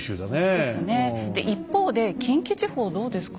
で一方で近畿地方どうですか？